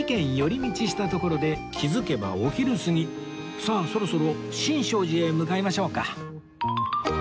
さあそろそろ新勝寺へ向かいましょうか